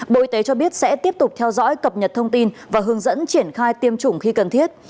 bộ y tế cho biết sẽ tiếp tục theo dõi cập nhật thông tin và hướng dẫn triển khai tiêm chủng khi cần thiết